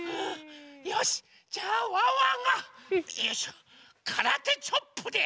よしじゃあワンワンがよいしょからてチョップで。